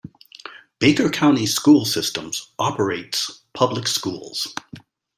Baker County School System operates public schools.